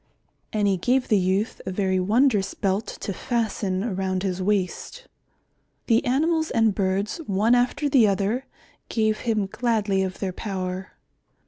And he gave the youth a very wondrous belt to fasten around his waist. The animals and birds, one after the other, gave him gladly of their power.